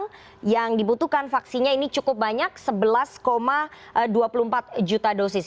sebanyak lima enam juta orang yang dibutuhkan vaksinnya ini cukup banyak sebelas dua puluh empat juta dosis